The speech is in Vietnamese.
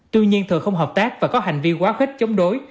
tuy nhiên thừa không hợp tác và có hành vi quá khích chống đối